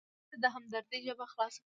مړه ته د همدردۍ ژبه خلاصه کړه